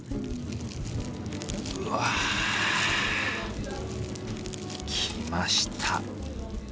うわぁきました。